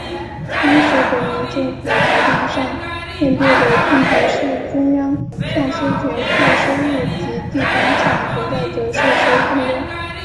当时国民政府财政上面对的困局是中央丧失田赋收入及地方上存在着税收混乱。